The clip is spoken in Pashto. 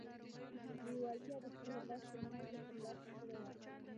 لېوالتیا د خپلې برخې پانګه ترلاسه کړې وه.